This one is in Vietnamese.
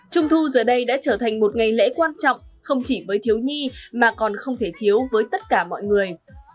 trung thu giờ đây đã trở thành một ngày lễ quan trọng không chỉ với thiếu nhi mà còn không thể thiếu với tất cả mọi người